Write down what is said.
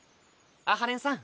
阿波連さん